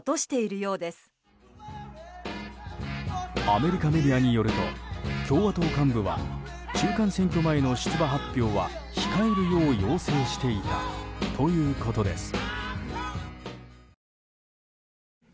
アメリカメディアによると共和党幹部は中間選挙前の出馬発表は控えるよう要請していたということです。